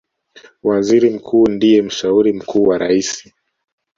Waziri Mkuu ndiye mshauri mkuu wa Raisi